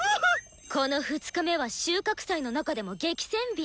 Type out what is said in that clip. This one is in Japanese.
この２日目は収穫祭の中でも激戦日！